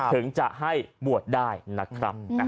ถึงจะให้บวชได้นะครับ